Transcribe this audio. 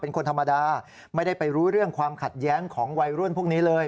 เป็นคนธรรมดาไม่ได้ไปรู้เรื่องความขัดแย้งของวัยรุ่นพวกนี้เลย